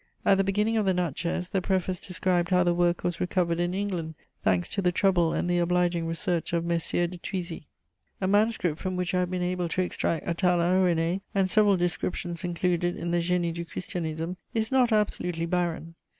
At the beginning of the Natchez, the preface described how the work was recovered in England, thanks to the trouble and the obliging research of Messieurs de Thuisy. A manuscript from which I have been able to extract Atala, René, and several descriptions included in the Génie du Christianisme, is not absolutely barren.